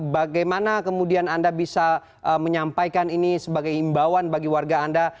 bagaimana kemudian anda bisa menyampaikan ini sebagai imbauan bagi warga anda